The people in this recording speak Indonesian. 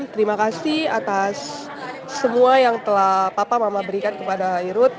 terima kasih atas semua yang telah papa mama berikan kepada